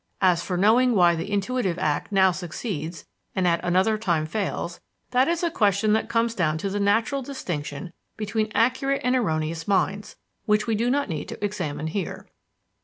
As for knowing why the intuitive act now succeeds and at another time fails, that is a question that comes down to the natural distinction between accurate and erroneous minds, which we do not need to examine here.